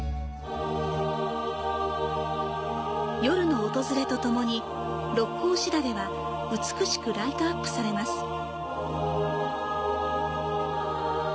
夜の訪れとともに「六甲枝垂れ」は美しくライトアップされます。